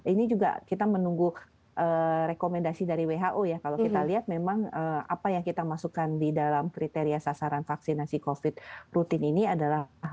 ini juga kita menunggu rekomendasi dari who ya kalau kita lihat memang apa yang kita masukkan di dalam kriteria sasaran vaksinasi covid rutin ini adalah